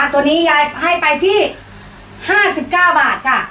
ตัวนี้ยายให้ไปที่๕๙บาทค่ะ